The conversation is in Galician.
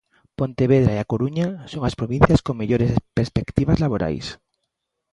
Pontevedra e A Coruña son as provincias con mellores perspectivas laborais.